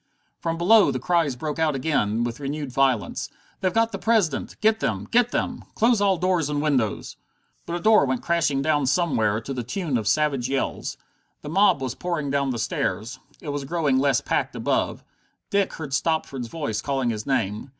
From below the cries broke out again, with renewed violence: "They've got the President! Get them! Get them! Close all doors and windows!" But a door went crashing down somewhere, to the tune of savage yells. The mob was pouring down the stairs. It was growing less packed above. Dick heard Stopford's voice calling his name.